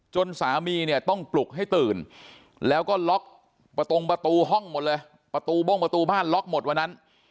สามีเนี่ยต้องปลุกให้ตื่นแล้วก็ล็อกประตงประตูห้องหมดเลยประตูโบ้งประตูบ้านล็อกหมดวันนั้น